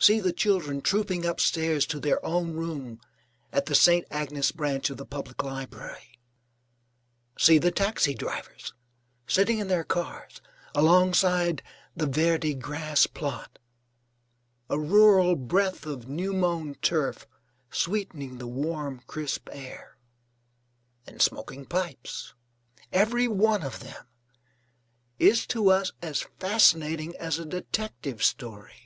See the children trooping upstairs to their own room at the St. Agnes branch of the Public Library. See the taxi drivers, sitting in their cars alongside the Verdi grass plot (a rural breath of new mown turf sweetening the warm, crisp air) and smoking pipes. Every one of them is to us as fascinating as a detective story.